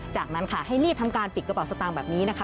จากนั้นค่ะให้รีบทำการปิดกระเป๋าสตางค์แบบนี้นะคะ